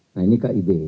nah ini kid